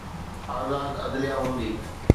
آزاد عدليه هوندي.